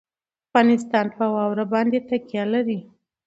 افغانستان په واوره باندې تکیه لري.